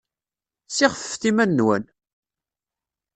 Ssixfefet iman-nwen!